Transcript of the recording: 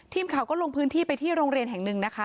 ทีมข่าวก็ลงพื้นที่ไปที่โรงเรียนแห่งหนึ่งนะคะ